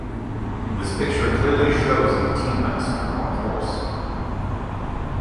This picture clearly shows the teamster on a horse.